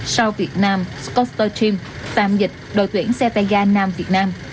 south vietnam scorter team tạm dịch đội tuyển xe tay ga nam việt nam